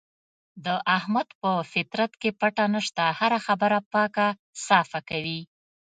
د احمد په فطرت کې پټه نشته، هره خبره پاکه صافه کوي.